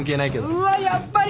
うわやっぱり！